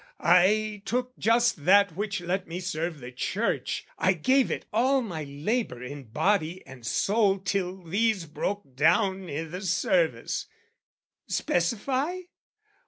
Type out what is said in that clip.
I took just that which let me serve the Church, I gave it all my labour in body and soul Till these broke down i' the service. "Specify?"